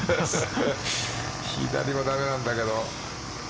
左も駄目なんだけど。